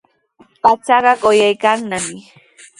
Pachaqa quyaykannami.